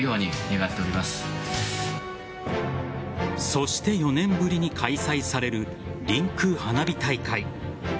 そして４年ぶりに開催されるりんくう花火大会。